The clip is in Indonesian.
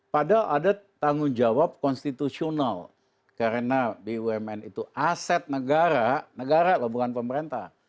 padahal ada tanggung jawab konstitusional karena bumn itu aset negara negara loh bukan pemerintah